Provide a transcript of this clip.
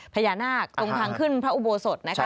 พญานาคตรงทางขึ้นพระอุโบสถนะคะ